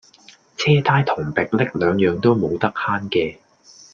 車呔同迫力兩樣都冇得慳嘅